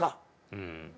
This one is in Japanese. うん。